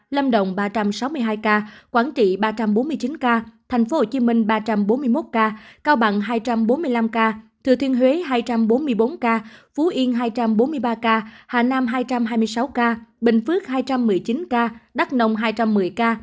lâm đồng ba trăm sáu mươi hai ca quảng trị ba trăm bốn mươi chín ca tp hcm ba trăm bốn mươi một ca cao bằng hai trăm bốn mươi năm ca thừa thiên huế hai trăm bốn mươi bốn ca phú yên hai trăm bốn mươi ba ca hà nam hai trăm hai mươi sáu ca bình phước hai trăm một mươi chín ca đắk nông hai trăm một mươi ca